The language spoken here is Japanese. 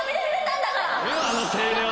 あの声量。